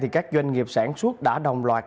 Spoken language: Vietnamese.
các doanh nghiệp sản xuất đã đồng loạt